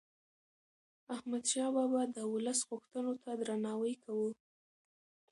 احمد شاه بابا د ولس غوښتنو ته درناوی کاوه.